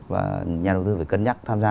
và nhà đầu tư phải cân nhắc tham gia